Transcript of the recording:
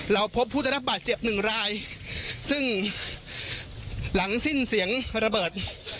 เราพบพุทธรรพบาทเจ็บหนึ่งรายซึ่งหลังสิ้นเสียงระเบิด